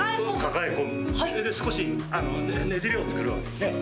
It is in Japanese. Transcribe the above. それで少しねじれを作るわけだね。